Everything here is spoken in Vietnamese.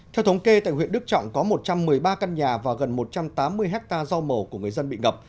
theo thống kê tại huyện đức trọng có một trăm một mươi ba căn nhà và gần một trăm tám mươi hectare rau màu của người dân bị ngập